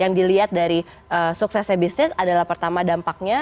yang dilihat dari suksesnya bisnis adalah pertama dampaknya